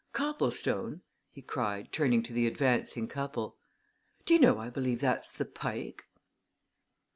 Copplestone!" he cried, turning to the advancing couple. "Do you know, I believe that's the _Pike!